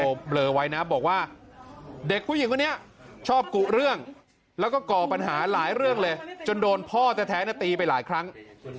เบลอไว้นะบอกว่าเด็กผู้หญิงคนนี้ชอบกุเรื่องแล้วก็ก่อปัญหาหลายเรื่องเลยจนโดนพ่อแท้ตีไปหลายครั้ง